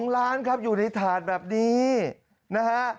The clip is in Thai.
๒ล้านครับอยู่ในถาดแบบนี้นะฮะ